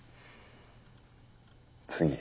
次。